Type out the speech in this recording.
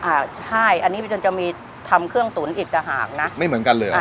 อ่าใช่อันนี้ไปจนจะมีทำเครื่องตุ๋นอีกต่างหากนะไม่เหมือนกันเลยล่ะใช่